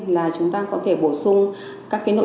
là chúng ta có thể bổ sung các nội tiết tố